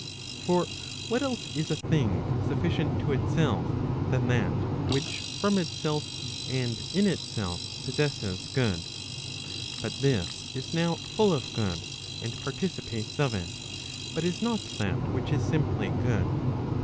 For what else is a thing sufficient to itself, than that which from itself and in itself possesses good ? But this is now full of good, and participates of it, but is not that which is simply good.